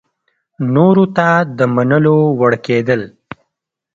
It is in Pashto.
نورو ته د منلو وړ کېدل